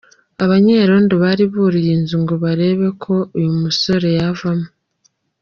Abanyerondo bari buriye inzu ngo barebe ko uyu musore yavamo.